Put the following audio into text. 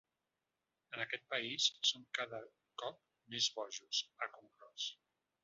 En aquest país som cada cop més bojos…, ha conclòs.